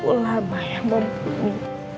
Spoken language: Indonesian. ulama yang berbunyi